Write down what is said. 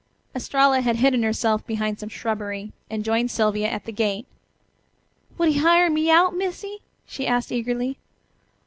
Estralla had hidden herself behind some shrubbery, and joined Sylvia at the gate. "Would he hire me out, Missy?" she asked eagerly.